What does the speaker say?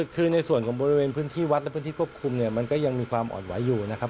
คือในส่วนของบริเวณพื้นที่วัดและพื้นที่ควบคุมเนี่ยมันก็ยังมีความอ่อนไหวอยู่นะครับ